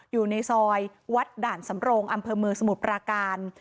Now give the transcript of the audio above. อยู่ในซอยวัดด่านสำโรงอำเภอเมืองสมุทรปราการ